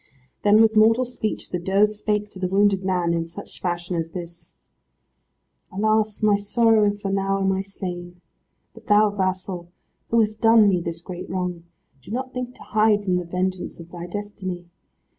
Then with mortal speech the doe spake to the wounded man in such fashion as this, "Alas, my sorrow, for now am I slain. But thou, Vassal, who hast done me this great wrong, do not think to hide from the vengeance of thy destiny.